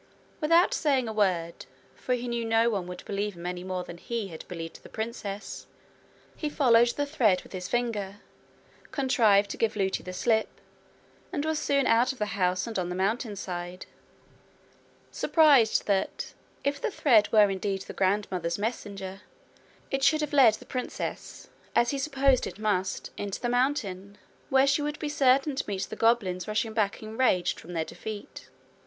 Without saying a word, for he knew no one would believe him any more than he had believed the princess, he followed the thread with his finger, contrived to give Lootie the slip, and was soon out of the house and on the mountainside surprised that, if the thread were indeed the grandmother's messenger, it should have led the princess, as he supposed it must, into the mountain, where she would be certain to meet the goblins rushing back enraged from their defeat.